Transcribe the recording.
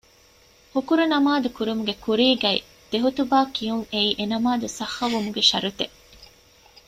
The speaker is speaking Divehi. ހުކުރު ނަމާދު ކުރުމުގެ ކުރީގައި ދެ ޚުޠުބާ ކިޔުން އެއީ އެ ނަމާދު ޞައްޙަވުމުގެ ޝަރުޠެއް